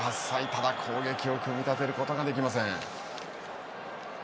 ただ、攻撃を組み立てることができません。